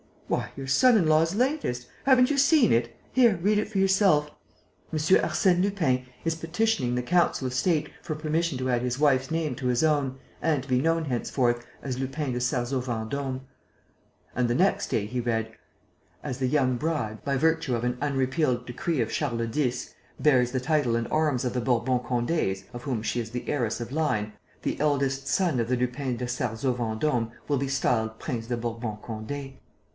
"Why, your son in law's latest! Haven't you seen it? Here, read it for yourself: 'M. Arsène Lupin is petitioning the Council of State for permission to add his wife's name to his own and to be known henceforth as Lupin de Sarzeau Vendôme.'" And, the next day, he read: "As the young bride, by virtue of an unrepealed decree of Charles X, bears the title and arms of the Bourbon Condés, of whom she is the heiress of line, the eldest son of the Lupins de Sarzeau Vendôme will be styled Prince de Bourbon Condé."